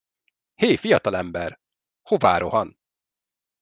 Hé, fiatalember! Hová rohan?